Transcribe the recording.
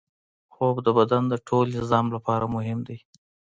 خوب د بدن د ټول نظام لپاره مهم دی